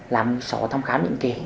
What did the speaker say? làm sổ thăm khám định kỳ